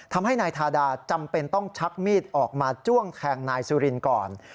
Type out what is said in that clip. ทำให้นายทาดาจำเป็นต้องชักมีดออกมาจ้วงแทงนายสุรินก่อน